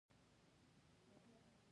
ژبې د ټولو افغانانو ژوند خورا اغېزمن کوي.